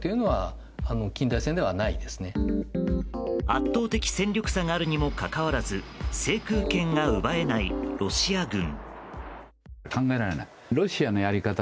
圧倒的戦力差があるにもかかわらず制空権が奪えないロシア軍。